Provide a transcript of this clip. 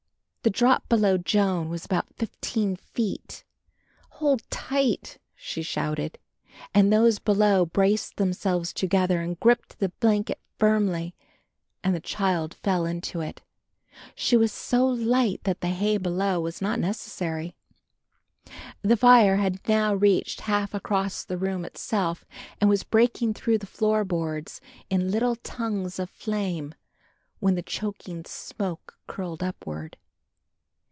The drop below Joan was about fifteen feet. "Hold tight," she shouted, and those below braced themselves together and gripped the blanket firmly and the child fell into it. She was so light that the hay below was not necessary. The fire had now reached half across the room itself and was breaking through the floor boards in little tongues of flame, when the choking smoke curled upward.